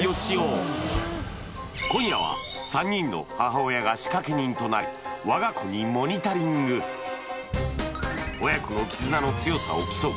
今夜は３人の母親が仕掛人となり我が子にモニタリング親子の絆の強さを競う